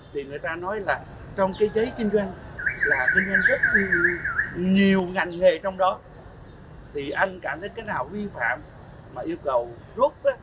thì anh cảm thấy cái nào vi phạm mà yêu cầu rút